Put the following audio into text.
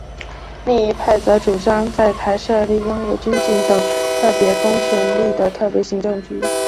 另一派则主张在台设立拥有军警等特别公权力的特别行政区。